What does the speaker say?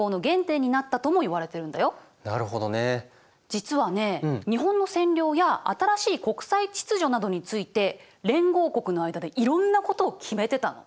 実はね日本の占領や新しい国際秩序などについて連合国の間でいろんなことを決めてたの。